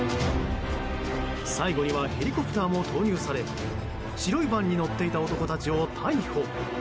最後にはヘリコプターも投入され白いバンに乗っていた男たちを逮捕。